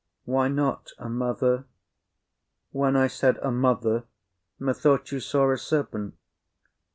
Why not a mother? When I said a mother, Methought you saw a serpent.